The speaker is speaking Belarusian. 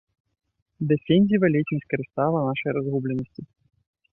Дэфензіва ледзь не скарыстала нашай разгубленасці.